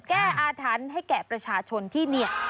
แก้อาธรรณให้แก่ประชาชนที่เนียะ